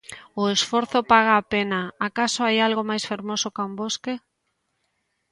O esforzo paga a pena, acaso hai algo máis fermoso ca un bosque?